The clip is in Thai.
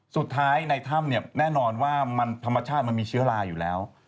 สุดท้ายในถ้ำแน่นอนว่าธรรมชาติมันมีเชื้อราอยู่แล้ว